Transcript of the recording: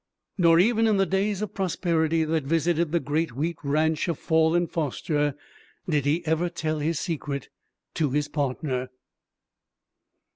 Nor even in the days of prosperity that visited the Great Wheat Ranch of "Fall and Foster" did he ever tell his secret to his partner.